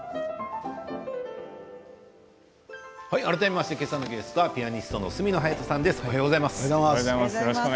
改めまして今朝のゲストはピアニストの角野隼斗さんです。